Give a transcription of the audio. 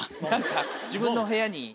何か自分の部屋に。